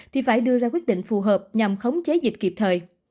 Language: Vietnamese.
thì phải đưa ra quyết định phù hợp nhằm khống chế dịch kịp thời